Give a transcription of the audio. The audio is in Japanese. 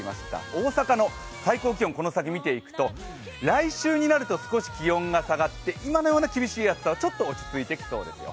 大阪の最高気温、この先を見ていくと来週になると少し気温が下がって今のような厳しい暑さはちょっと落ち着いてきそうですよ。